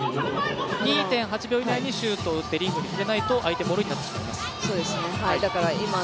２．８秒以内にシュートを打ってリングに触れないと相手ボールになってしまいます。